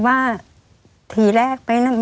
ไม่มีครับไม่มีครับ